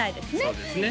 そうですね